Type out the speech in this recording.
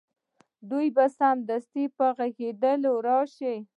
دوی به سمدستي په غږېدا راشي